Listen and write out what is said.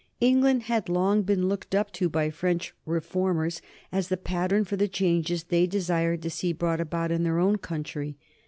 England had long been looked up to by French reformers as the pattern for the changes they desired to see brought about in their own country.